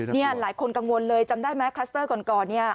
นี่หลายคนกังวลเลยจำได้ไหมคลัสเตอร์ก่อนเนี่ย